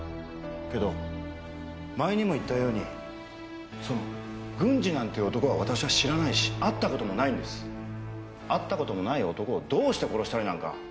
けど前にも言ったようにその軍司なんていう男は私は知らないし会った事もないんです。会った事もない男をどうして殺したりなんか。